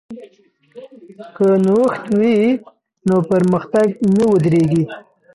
که نوښت وي نو پرمختګ نه ودریږي.